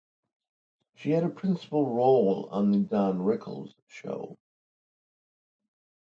She had a principal role on "The Don Rickles Show".